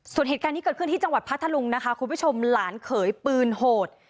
ส่วนเหตุการณ์ที่เกิดขึ้นที่จังหวัดพัทธลุงนะคะคุณผู้ชมหลานเขยปืนโหด